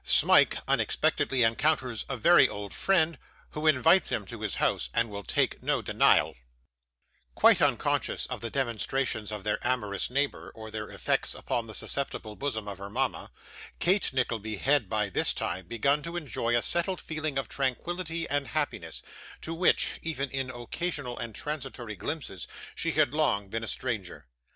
Smike unexpectedly encounters a very old Friend, who invites him to his House, and will take no Denial Quite unconscious of the demonstrations of their amorous neighbour, or their effects upon the susceptible bosom of her mama, Kate Nickleby had, by this time, begun to enjoy a settled feeling of tranquillity and happiness, to which, even in occasional and transitory glimpses, she had long been a stranger.